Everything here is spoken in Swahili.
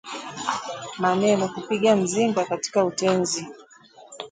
Maneno kupiga mzinga katika Utenzi